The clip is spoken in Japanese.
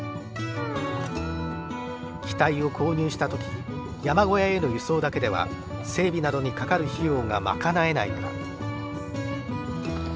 機体を購入した時山小屋への輸送だけでは整備などにかかる費用が賄えないのだ。